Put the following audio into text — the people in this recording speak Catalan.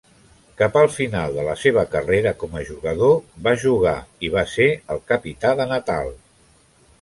Cap al final de la seva carrera com a jugador, va jugar i va ser el capità de Natal.